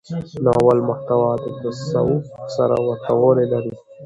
د ناول محتوا له تصوف سره ورته والی لري.